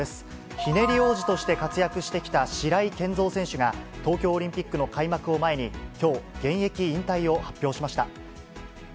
ひねり王子として活躍してきた白井健三選手が、東京オリンピックの開幕を前に、きょう、現役引退を発表しました。